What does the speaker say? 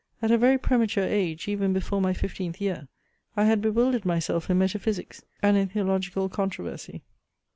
At a very premature age, even before my fifteenth year, I had bewildered myself in metaphysics, and in theological controversy.